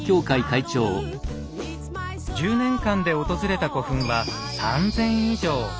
１０年間で訪れた古墳は３，０００以上。